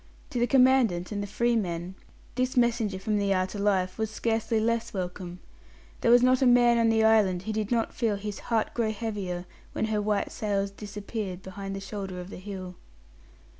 To the Commandant and the "free men" this messenger from the outer life was scarcely less welcome. There was not a man on the island who did not feel his heart grow heavier when her white sails disappeared behind the shoulder of the hill.